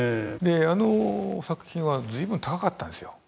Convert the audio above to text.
あの作品は随分高かったんですよ。